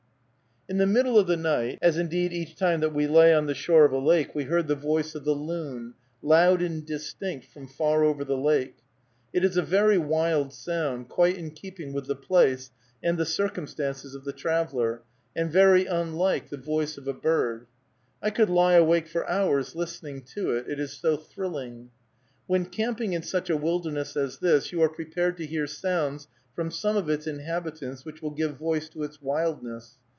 In the middle of the night, as indeed each time that we lay on the shore of a lake, we heard the voice of the loon, loud and distinct, from far over the lake. It is a very wild sound, quite in keeping with the place and the circumstances of the traveler, and very unlike the voice of a bird. I could lie awake for hours listening to it, it is so thrilling. When camping in such a wilderness as this, you are prepared to hear sounds from some of its inhabitants which will give voice to its wildness.